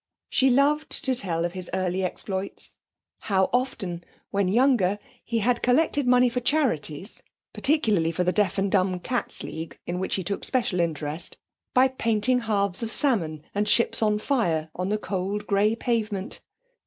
She loved to tell of his earlier exploits. How often, when younger, he had collected money for charities (particularly for the Deaf and Dumb Cats' League, in which he took special interest), by painting halves of salmon and ships on fire on the cold grey pavement!